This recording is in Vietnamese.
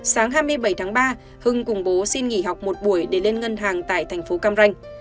sáng hai mươi bảy tháng ba hưng cùng bố xin nghỉ học một buổi để lên ngân hàng tại thành phố cam ranh